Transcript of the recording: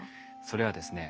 それはですね